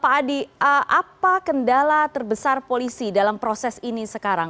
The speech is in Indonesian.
pak adi apa kendala terbesar polisi dalam proses ini sekarang